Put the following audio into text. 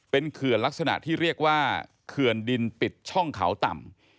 เป็นเขื่อนลักษณะที่เรียกว่าเขื่อนดินปิดช่องเขาต่ำ